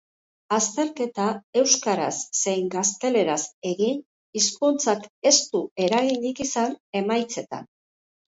Azterketa euskaraz zein gazteleraz egin, hizkuntzak ez du eraginik izan emaitzetan.